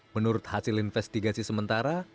menurut hasil investigasi sementara